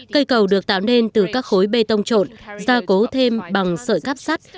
cây cầu được tạo nên từ các khối bê tông trộn gia cố thêm bằng sợi cáp sắt